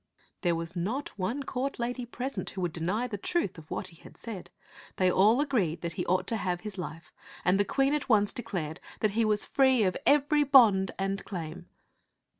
There was not one court lady present who would deny the truth of what he had said. They all agreed that he ought to have his life, and the Queen at once declared that he was free of every bond and claim.